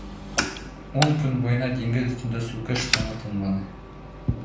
Ун көн буйына диңгеҙ өҫтөндә сүкеш сыңы тынманы.